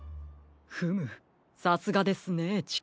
フムさすがですねチコちゃん。